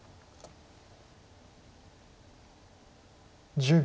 １０秒。